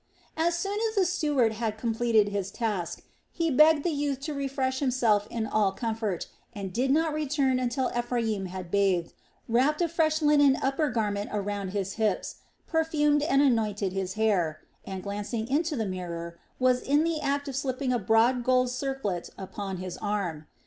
As soon as the steward had completed his task, he begged the youth to refresh himself in all comfort, and did not return until Ephraim had bathed, wrapped a fresh linen upper garment around his hips, perfumed and anointed his hair, and, glancing into the mirror, was in the act of slipping a broad gold circlet upon his arm.